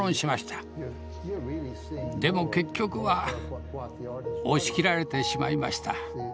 でも結局は押し切られてしまいました。